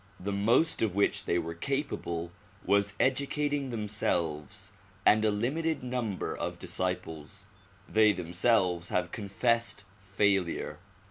The most of which they were capable was educating themselves and a limited number of disciples ; they themselves have confessed failure.